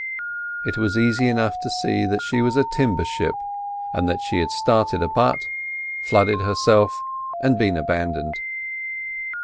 It was easy enough to see that she was a timber ship, and that she had started a butt, flooded herself and been abandoned.